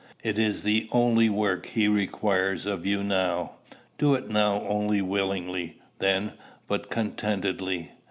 It is the only work he requires of you now: do it not only willingly, then, but contentedly.